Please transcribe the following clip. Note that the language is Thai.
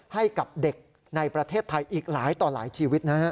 ให้กับเด็กในประเทศไทยอีกหลายต่อหลายชีวิตนะฮะ